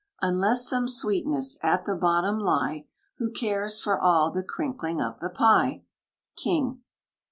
Unless some sweetness at the bottom lie, Who cares for all the crinkling of the pie! KING.